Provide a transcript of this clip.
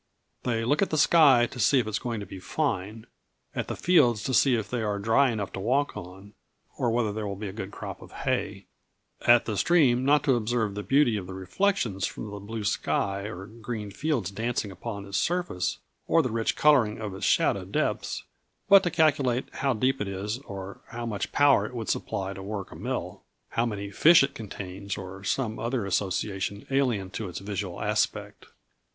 They look at the sky to see if it is going to be fine; at the fields to see if they are dry enough to walk on, or whether there will be a good crop of hay; at the stream not to observe the beauty of the reflections from the blue sky or green fields dancing upon its surface or the rich colouring of its shadowed depths, but to calculate how deep it is or how much power it would supply to work a mill, how many fish it contains, or some other association alien to its visual aspect.